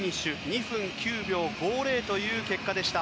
２分９秒５０という結果でした。